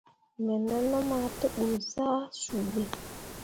Me nenum ah te ɓu zah suu ɓe.